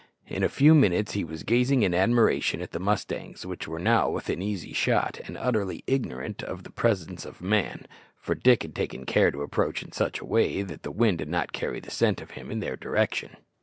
In a few minutes he was gazing in admiration at the mustangs, which were now within easy shot, and utterly ignorant of the presence of man, for Dick had taken care to approach in such a way that the wind did not carry the scent of him in their direction.